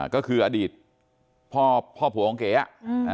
ก็คืออดีตพ่อผัวของเก๋อ่ะ